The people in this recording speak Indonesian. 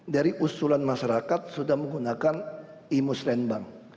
dari usulan masyarakat sudah menggunakan imus rembang